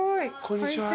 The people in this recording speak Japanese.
こんにちは。